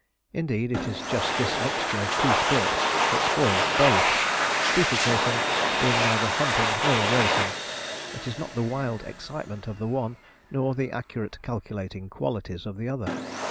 Indeed, it is just this mixture of two sports that spoils both; steeple chasing being neither hunting nor racing. It has not the wild excitement of the one, nor the accurate calculating qualities of the other.